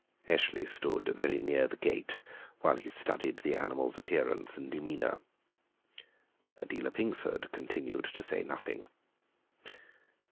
Eshley stood very near the gate while he studied the animal's appearance and demeanour. Adela Pingsford continued to say nothing.